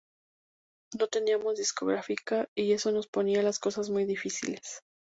No teníamos discográfica y eso nos ponía las cosas muy difíciles'.